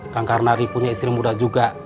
kang karnari punya istri muda juga